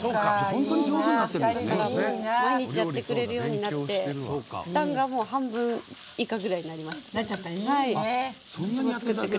毎日やってくれるようになって負担が半分以下になりました。